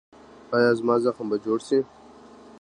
ایا زما زخم به جوړ شي؟